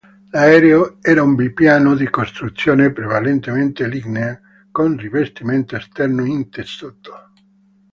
L'aereo era un biplano di costruzione prevalentemente lignea, con rivestimento esterno in tessuto.